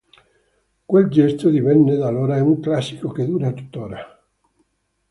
Quel gesto divenne da allora un classico, che dura tuttora.